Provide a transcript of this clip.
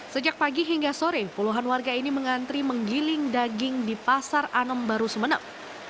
sejak pagi hingga sore puluhan warga ini mengantri menggiling daging di pasar anom baru sumeneb